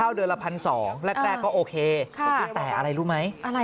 อะไรฮะ